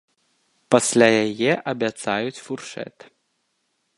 Пасля яе абяцаюць фуршэт.